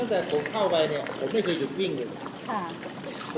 ตั้งแต่ผมเข้าไปเนี่ยผมไม่เคยหยุดวิ่งเลย